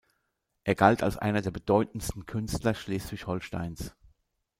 Er galt als einer der bedeutendsten Künstler Schleswig-Holsteins.